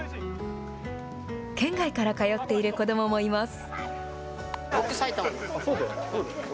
県外から通っている子どももいます。